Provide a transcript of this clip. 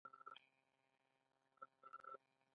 بېزو د ادرک په خوند نه پوهېږي.